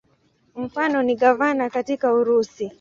Mfano ni gavana katika Urusi.